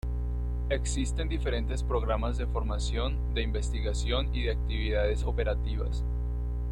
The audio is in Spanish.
Existen diferentes programas de formación, de investigación y de actividades operativas.